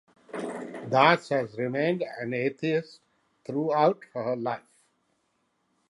Das has remained an atheist throughout her life.